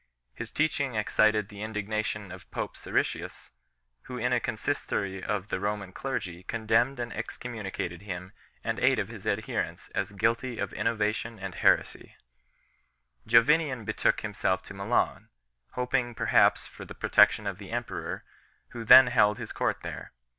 His teaching excited the indignation of pope Siricius, who in a consistory of the Roman clergy condemned and excommunicated him and eight of his adherents as guilty of innovation and heresy 7 . Jovinian betook himself to Milan, hoping perhaps for the protection of the emperor, who then held his court there.